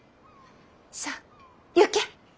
さあ行け。